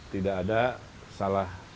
tidak ada salah